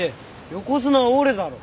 横綱は俺だろ。